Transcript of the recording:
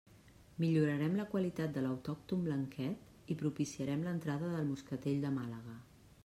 Milloraren la qualitat de l'autòcton blanquet i propiciaren l'entrada del moscatell de Màlaga.